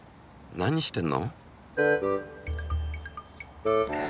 何してんの？